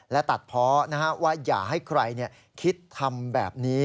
และตัดเพาะว่าอย่าให้ใครคิดทำแบบนี้